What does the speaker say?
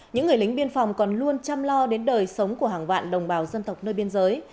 những người lính biên phòng còn luôn chăm lo đến đời sống của hàng vạn đồng bào dân tộc nơi biên giới